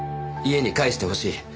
家に帰してほしい。